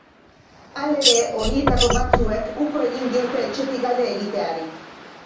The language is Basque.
Halere, horietako batzuek uko egin diote etxetik alde egiteari.